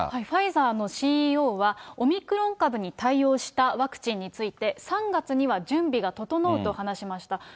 ファイザーのＣＥＯは、オミクロン株に対応したワクチンについて、３月には準備が整うと話しました。